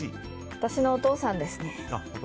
私のお父さんですね。